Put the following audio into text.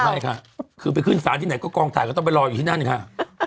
ใช่ค่ะคือไปขึ้นศาลที่ไหนก็กองถ่ายก็ต้องไปรออยู่ที่นั่นค่ะ